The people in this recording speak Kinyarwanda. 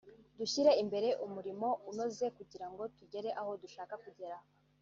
dushyire imbere umurimo unoze kugira ngo tugere aho dushaka kugera